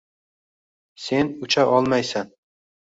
Sen ucha olmaysan!